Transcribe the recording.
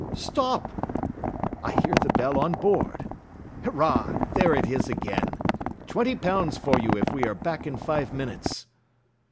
Stop! I hear the bell on board. Hurrah, there it is again! Twenty pounds for you if we are back in five minutes!"